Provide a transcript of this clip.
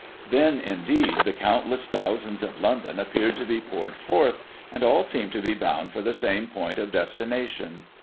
Then, indeed, the countless thousands of London appeared to be poured forth, and all seemed to be bound for the seime point of destination.